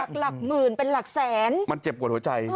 หลักหลักหมื่นเป็นหลักแสนมันเจ็บปวดหัวใจ